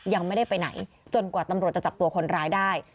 ยังไม่ได้ไปไหนจนกว่าตำรวจจะจับตัวคนร้ายได้